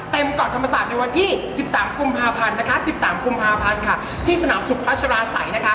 เต็มก่อนธรรมศาสตร์ในวันที่๑๓กุมภาพันธ์ที่สนามศุกร์พระชะลาศัย